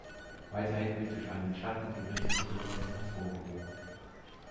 Weiterhin wird durch einen Schatten die Richtung der Beleuchtung hervorgehoben.